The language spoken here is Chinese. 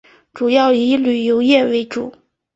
主要以旅游业为主。